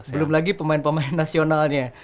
belum lagi pemain pemain nasionalnya